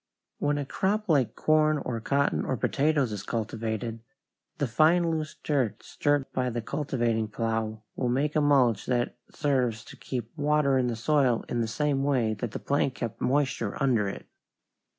When a crop like corn or cotton or potatoes is cultivated, the fine, loose dirt stirred by the cultivating plow will make a mulch that serves to keep water in the soil in the same way that the plank kept moisture under it.